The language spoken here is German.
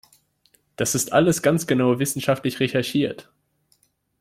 Das ist alles ganz genau wissenschaftlich recherchiert!